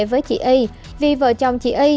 với chị y vì vợ chồng chị y